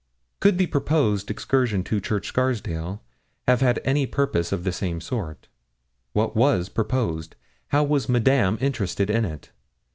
Could the proposed excursion to Church Scarsdale have had any purpose of the same sort? What was proposed? How was Madame interested in it?